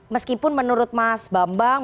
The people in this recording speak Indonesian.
meskipun menurut mas bambang